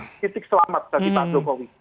titik selamat dari pak jokowi